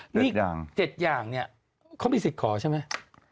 เจ็ดอย่างเจ็ดอย่างเนี่ยเขามีสิทธิ์ขอใช่ไหม